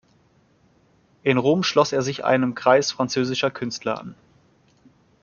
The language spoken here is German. In Rom schloss er sich einem Kreis französischer Künstler an.